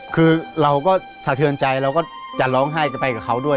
คือเราก็สะเทือนใจเราก็จะร้องไห้จะไปกับเขาด้วย